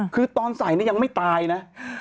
คือตอนใส่นี่ยังไม่ตายนะ